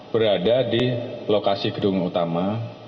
berada di lokasi gedung utama